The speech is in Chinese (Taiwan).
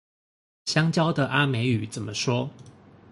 香蕉的阿美語怎麼說